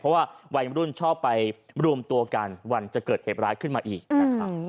เพราะว่าวัยมรุ่นชอบไปรวมตัวกันวันจะเกิดเหตุร้ายขึ้นมาอีกนะครับ